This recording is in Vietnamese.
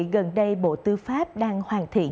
gần đây bộ tư pháp đang hoàn thiện